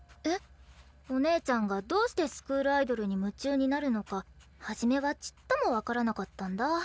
お姉ちゃんがどうしてスクールアイドルに夢中になるのか初めはちっとも分からなかったんだ。